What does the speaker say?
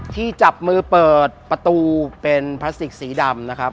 ที่จับมือเปิดประตูเป็นพลาสติกสีดำนะครับ